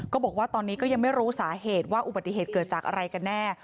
บอกว่าตอนนี้ก็ยังไม่รู้สาเหตุว่าอุบัติเหตุเกิดจากอะไรกันแน่